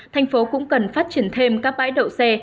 thành phố cũng cần phát triển thêm các bãi đậu xe